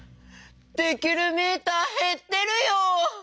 できるメーターへってるよ！